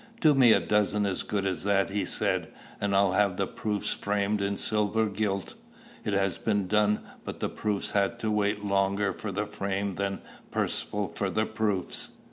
"Do me a dozen as good as that," he said, "and I'll have the proofs framed in silver gilt." It has been done; but the proofs had to wait longer for the frame than Percivale for the proofs.